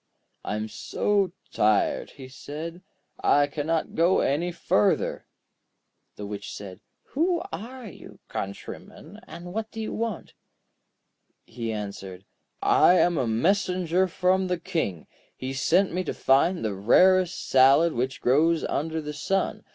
'I am so tired,' he said; 'I cannot go any further.' The Witch said: 'Who are you, countryman, and what do you want?' He answered: 'I am a messenger from the King. He sent me to find the rarest salad which grows under the sun.